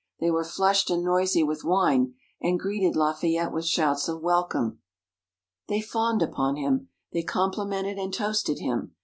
They were flushed and noisy with wine, and greeted Lafayette with shouts of welcome. They fawned upon him; they complimented and toasted him.